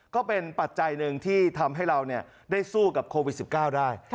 ปัจจัยหนึ่งที่ทำให้เราได้สู้กับโควิด๑๙ได้